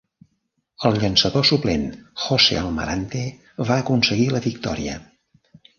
El llançador suplent Jose Almarante va aconseguir la victòria.